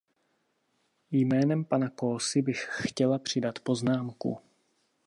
Jménem pana Kósy bych chtěla přidat poznámku.